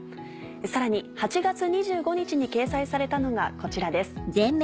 さらに８月２５日に掲載されたのがこちらです。